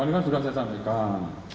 ini kan sudah saya sampaikan